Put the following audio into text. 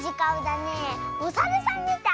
おさるさんみたい。